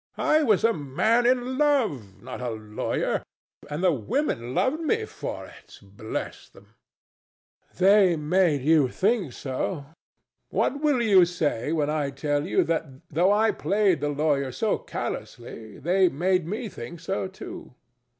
I was a man in love, not a lawyer. And the women loved me for it, bless them! DON JUAN. They made you think so. What will you say when I tell you that though I played the lawyer so callously, they made me think so too?